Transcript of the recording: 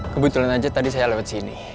kebetulan aja tadi saya lewat sini